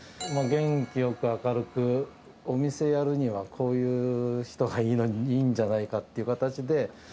元気よく明るく、お店やるには、こういう人がいいんじゃないかっていう形で。